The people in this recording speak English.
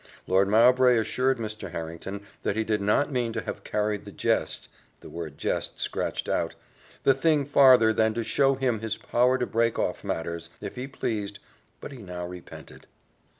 Lord Mowbray assured Mr. Harrington, that he did not mean to have carried the jest (the word jest scratched out), the thing farther than to show him his power to break off matters, if he pleased but he now repented."